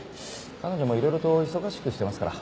彼女もいろいろと忙しくしてますから。